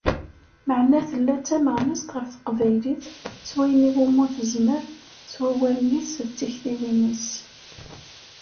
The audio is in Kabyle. Meεna tella d tameɣnast ɣef Teqbaylit, s wayen iwumu tezmer, s wawalen-is d tektiwin-is.